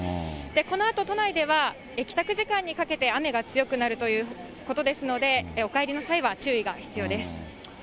このあと都内では、帰宅時間にかけて雨が強くなるということですので、お帰りの際は注意が必要です。